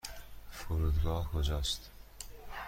فرودگاه کجا است؟